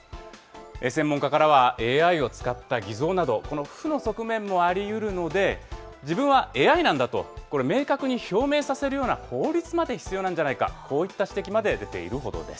専門家からは、ＡＩを使った偽造など、この負の側面もありうるので、自分はＡＩなんだと、明確に表明させるような法律まで必要なんじゃないか、こういった指摘まで出ているほどです。